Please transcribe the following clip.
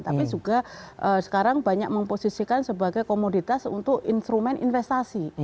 tapi juga sekarang banyak memposisikan sebagai komoditas untuk instrumen investasi